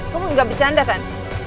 kamu gak bercanda kan